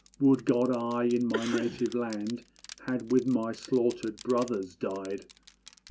Would God I in my native land Had with my slaughtered brothers died!